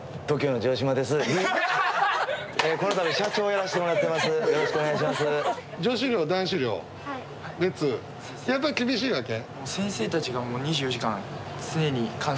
やっぱり厳しいわけ？